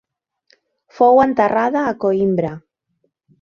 Fou enterrada a Coïmbra.